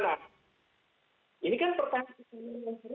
ini kan pertanyaan kita sendiri yang serius